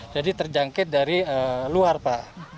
terjangkit dari luar pak